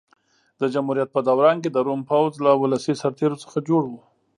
د جمهوریت په دوران کې د روم پوځ له ولسي سرتېرو څخه جوړ و.